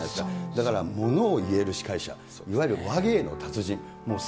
だから物を言える司会者、いわゆる話芸の達人。